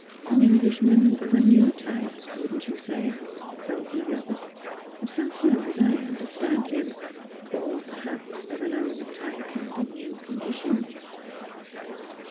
"An Englishman of a new type, wouldn't you say?" fell from the other. "So far as I understand him. Or perhaps of an old type under new conditions."